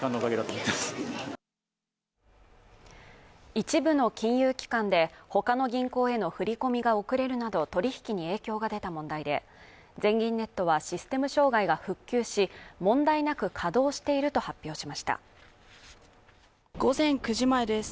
一部の金融機関でほかの銀行への振り込みが遅れるなど取引に影響が出た問題で全銀ネットはシステム障害が復旧し問題なく稼働していると発表しました午前９時前です